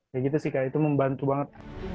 kayak gitu sih kayak itu membantu banget